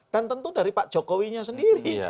dan tentu dari pak jokowinya sendiri